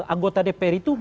anggota dpr itu